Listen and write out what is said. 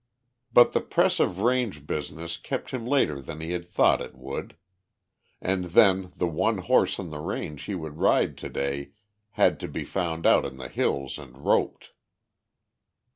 But the press of range business kept him later than he had thought it would. And then the one horse on the range he would ride today had to be found out in the hills and roped.